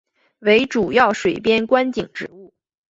为主要水边观景植物。